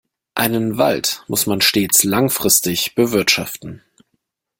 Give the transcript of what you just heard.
Einen Wald muss man stets langfristig bewirtschaften.